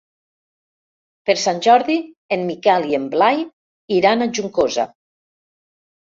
Per Sant Jordi en Miquel i en Blai iran a Juncosa.